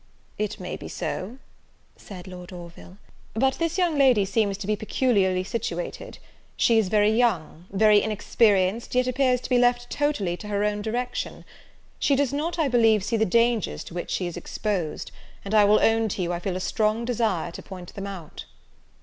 "It may be so," said Lord Orville; "but this young lady seems to be peculiarly situated; she is very young, very inexperienced, yet appears to be left totally to her own direction. She does not, I believe, see the dangers to which she is exposed, and I will own to you, I feel a strong desire to point them out."